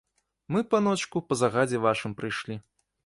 Мы, паночку, па загадзе вашым прыйшлі.